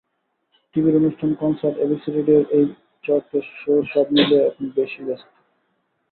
টিভির অনুষ্ঠান, concert, ABC রেডিওর এইচকে শো—সব মিলিয়ে এখন বেশি ব্যস্ত।